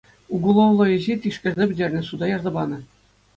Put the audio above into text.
Уголовлӑ ӗҫе тишкерсе пӗтернӗ, суда ярса панӑ.